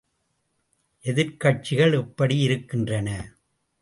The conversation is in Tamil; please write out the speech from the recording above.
எதிர்க்கட்சிகள் எப்படி இருக்கின்றன?